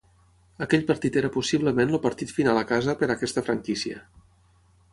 Aquell partit era possiblement el partit final a casa per a aquesta franquícia.